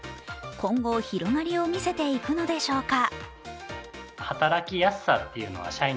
今後、広がりを見せていくのでしょうか。